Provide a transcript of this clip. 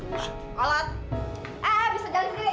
ah bisa jalan sendiri